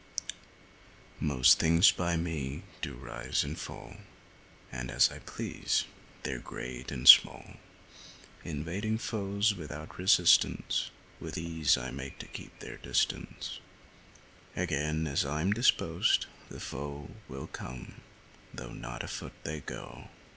Most things by me do rise and fall, And, as I please, they're great and small; Invading foes without resistance, With ease I make to keep their distance: Again, as I'm disposed, the foe Will come, though not a foot they go.